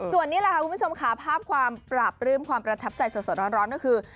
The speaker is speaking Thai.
ส่วนนี้แหละค่ะคุณผู้ชมค่ะภาพความปราบปลื้มความประทับใจสดร้อนก็คือ